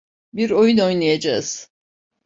Bir oyun oynayacağız.